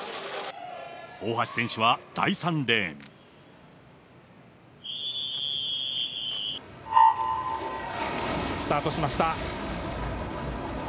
大橋選手は第３レーン。スタートしました。